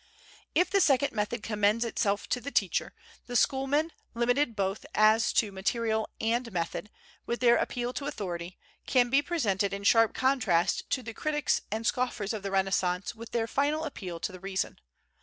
If the second method commends itself to the teacher, the schoolmen, limited both as to material and method, with their appeal to authority, can be presented in sharp contrast to the critics and scoffers of the Renaissance with their final appeal to the reason.